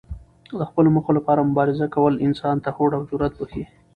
د خپلو موخو لپاره مبارزه کول انسان ته هوډ او جرات بښي.